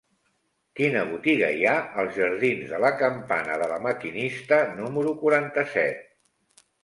Quina botiga hi ha als jardins de la Campana de La Maquinista número quaranta-set?